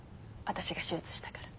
私が手術したから。